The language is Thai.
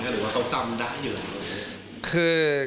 หรือว่าเขาจำได้อยู่หรือเปล่า